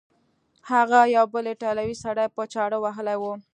هغه یو بل ایټالوی سړی په چاړه وهلی و.